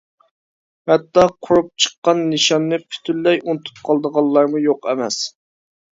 ھەتتا قۇرۇپ چىققان نىشاننى پۈتۈنلەي ئۇنتۇپ قالىدىغانلارمۇ يوق ئەمەس.